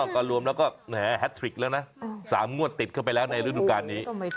ก่อนรวมแล้วก็แฮททริคแล้วนะสามงวดติดเข้าไปแล้วในฤดุการณ์นี้